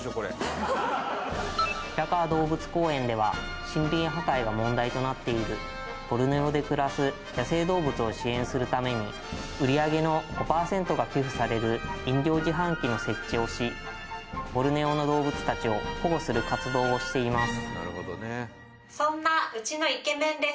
平川動物公園では森林破壊が問題となっているボルネオで暮らす野生動物を支援するために売上の５％が寄付される飲料自販機の設置をしボルネオの動物たちを保護する活動をしています